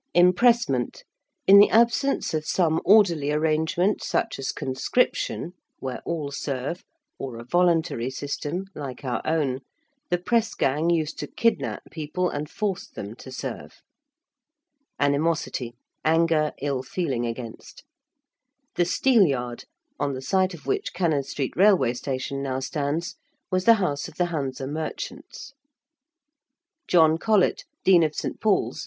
~Impressment~: in the absence of some orderly arrangement, such as conscription (where all serve) or a voluntary system (like our own), the press gang used to kidnap people and force them to serve. ~animosity~: anger, ill feeling against. ~The Steelyard~, on the site of which Cannon Street railway station now stands, was the house of the Hanse merchants (see note on Chapter XXII.).